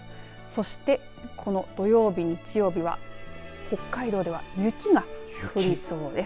そしてこの土曜日、日曜日は北海道では雪が降りそうです。